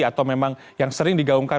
atau memang yang sering digaungkan